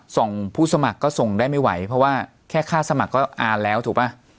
ส่งผู้สมัครก็ส่งได้ไม่ไหวเพราะว่าแค่ค่าสมัครก็อ่านแล้วถูกป่ะ